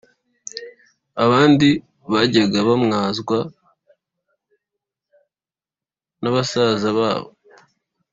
Abandi bajyaga bamwazwa na basaza babo